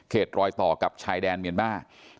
เขตรอยต่อกับชายแดนเมียนบ้า